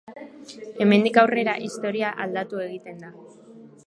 Hemendik aurrera, istorioa aldatu egiten da.